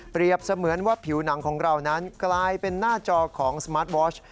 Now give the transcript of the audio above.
เสมือนว่าผิวหนังของเรานั้นกลายเป็นหน้าจอของสมาร์ทวอช